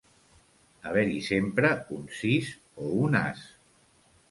Haver-hi sempre un sis o un as.